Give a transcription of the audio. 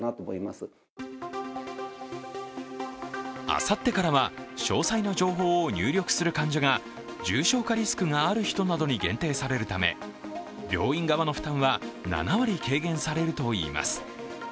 あさってからは詳細な情報を入力する患者が重症化リスクがある人などに限定されるため病院側の負担は７割軽減されるといいます。